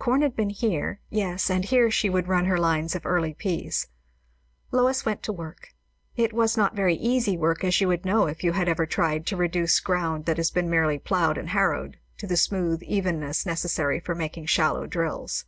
Corn had been here; yes, and here she would run her lines of early peas. Lois went to work. It was not very easy work, as you would know if you had ever tried to reduce ground that has been merely ploughed and harrowed, to the smooth evenness necessary for making shallow drills.